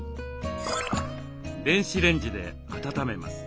電子レンジで温めます。